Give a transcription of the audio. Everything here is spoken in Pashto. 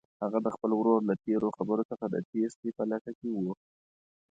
هغه د خپل ورور له تېرو خبرو څخه د تېښتې په لټه کې وه.